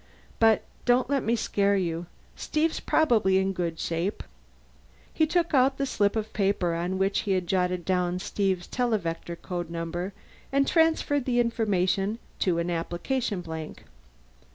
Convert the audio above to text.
But don't let me scare you; Steve's probably in good shape." He took out the slip of paper on which he had jotted down Steve's televector code number and transferred the information to an application blank.